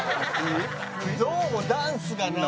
どうもダンスがな。